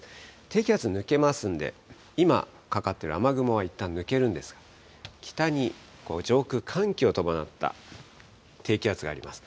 低気圧抜けますんで、今、かかっている雨雲はいったん抜けるんですが、北に上空、寒気を伴った低気圧があります。